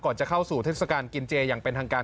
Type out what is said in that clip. จะเข้าสู่เทศกาลกินเจอย่างเป็นทางการ